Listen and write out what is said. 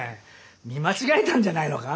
見間違えたんじゃないのか？